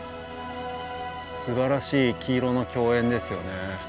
すばらしい黄色の競演ですよね。